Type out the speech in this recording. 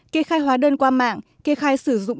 kê khai hóa đơn qua mạng kê khai sử dụng